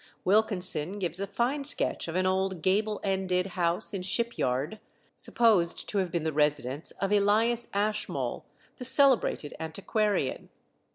Wilkinson gives a fine sketch of an old gable ended house in Ship Yard, supposed to have been the residence of Elias Ashmole, the celebrated antiquarian.